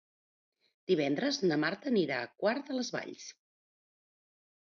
Divendres na Marta anirà a Quart de les Valls.